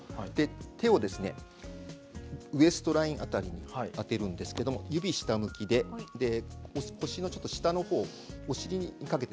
手をですねウエストライン辺りに当てるんですけども指下向きで腰のちょっと下のほうお尻にかけて。